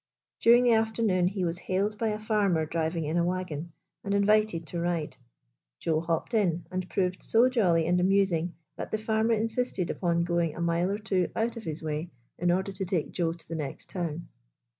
During the afternoon he was hailed by a farmer driving in a wagon, and in vited to ride. Joe hopped in, and proved so jolly and amusing that the farmer insisted upon going a mile or two out of his way in order to take Joe to the next town.